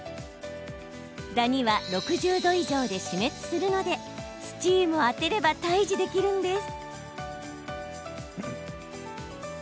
ダニは６０度以上で死滅するのでスチームを当てれば退治できるんです。